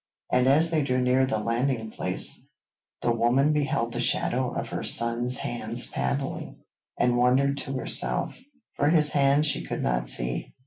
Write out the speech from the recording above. And as they drew near the landing place, the woman beheld the shadow of her son's hands paddling, and wondered to herself, for his hands she could not see.